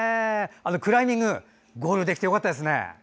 クライミング、ゴールできてよかったですね！